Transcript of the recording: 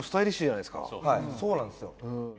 「はいそうなんですよ」